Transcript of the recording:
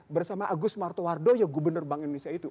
bersama agus martowardo ya gubernur bank indonesia itu